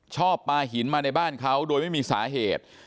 ชอบปลาหินมาในบ้านเขาโดยไม่มีสาเหตุ